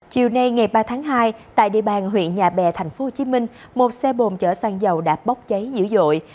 chiều nay ngày ba tháng hai tại địa bàn huyện nhà bè tp hcm một xe bồn chở xăng dầu đã bốc cháy dữ dội